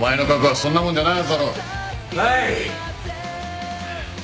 はい！